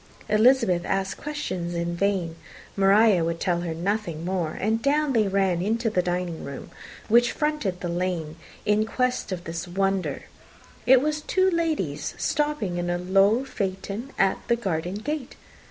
Elizabeth asked questions in vain; Maria would tell her nothing more; and down they ran into the dining room which fronted the lane, in quest of this wonder; it was two ladies, stopping in a low phaeton at the garden gate.